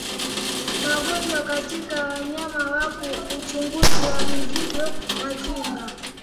magonjwa katika wanyama wafu uchunguzi wa mizoga na kinga